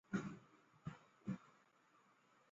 桃榄为山榄科桃榄属下的一个种。